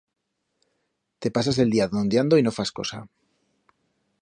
Te pasas el día dondiando y no fas cosa.